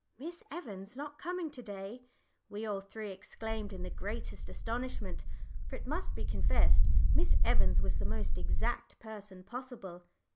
"Miss Evans not coming to day!" we all three exclaimed in the greatest astonishment, for it must be confessed Miss Evans was the most exact person possible.